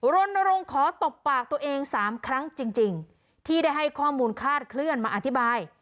รณรงค์ขอตบปากตัวเอง๓ครั้งจริงที่ได้ให้ข้อมูลคลาดเคลื่อนมาอธิบาย